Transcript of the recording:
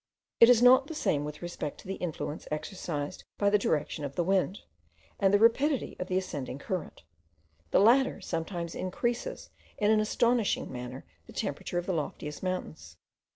It is not the same with respect to the influence exercised by the direction of the wind, and the rapidity of the ascending current; the latter sometimes increases in an astonishing manner the temperature of the loftiest mountains.